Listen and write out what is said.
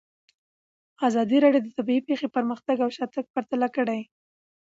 ازادي راډیو د طبیعي پېښې پرمختګ او شاتګ پرتله کړی.